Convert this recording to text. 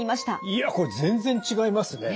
いやこれ全然違いますね。